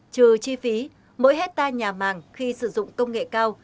trừ chi phí mỗi hectare nhà màng khi sử dụng công nghệ cao